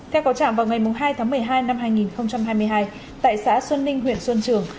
theo có trạng vào ngày hai tháng một mươi hai năm hai nghìn hai mươi hai tại xã xuân ninh huyện xuân trường